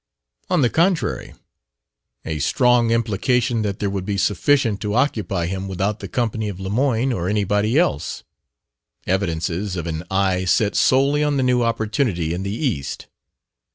On the contrary, a strong implication that there would be sufficient to occupy him without the company of Lemoyne or anybody else: evidences of an eye set solely on the new opportunity in the East.